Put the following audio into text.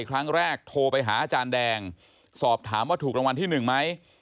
ครั้งแรกโทรไปหาอาจารย์แดงสอบถามว่าถูกรางวัลที่๑ไหม